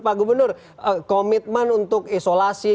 pak gubernur komitmen untuk isolasi